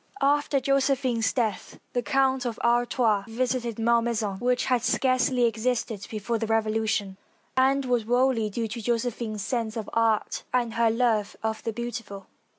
After Josephine's death the Count of Artois visited Malmaison, which had scarcely existed before the Revo lution, and was wholly due to Josephine's sense of art and her love of the beautiful.